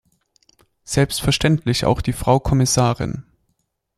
Selbstverständlich auch die Frau Kommissarin.